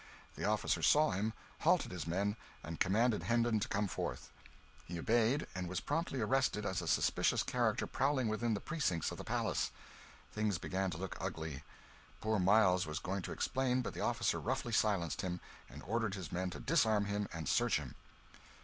The officer saw him, halted his men, and commanded Hendon to come forth. He obeyed, and was promptly arrested as a suspicious character prowling within the precincts of the palace. Things began to look ugly. Poor Miles was going to explain, but the officer roughly silenced him, and ordered his men to disarm him and search him.